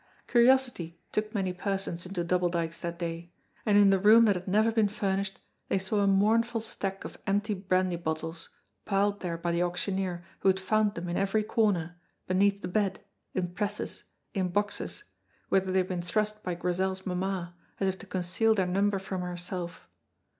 Curiosity took many persons into Double Dykes that day, and in the room that had never been furnished they saw a mournful stack of empty brandy bottles, piled there by the auctioneer who had found them in every corner, beneath the bed, in presses, in boxes, whither they had been thrust by Grizel's mamma, as if to conceal their number from herself.